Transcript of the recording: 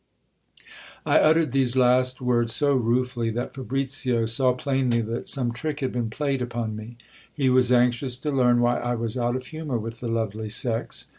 I uttered these last words so ruefully, that Fabricio saw plainly that some trick had been played upon me. He was anxious to learn why I was out of humour with the lovely sex.